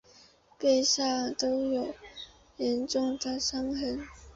背上都是严重的伤痕